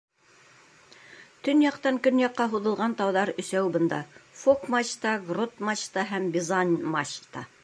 Төньяҡтан көньяҡҡа һуҙылған тауҙар өсәү бында: Фок-мачта, Грот-мачта һәм Бизань-мачта.